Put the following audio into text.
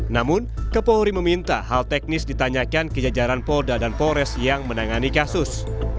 namun kepolri meminta hal teknis ditanyakan kejajaran polda dan polres yang menangani kasus